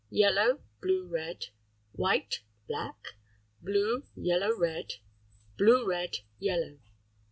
Yellow. Blue red. White. Black. Blue. Yellow red. Blue red. Yellow.